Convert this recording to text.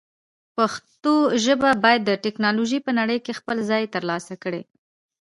پښتو ژبه باید د ټکنالوژۍ په نړۍ کې خپل ځای ترلاسه کړي.